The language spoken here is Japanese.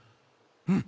うん。